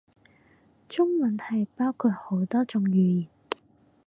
中文係包括好多種語言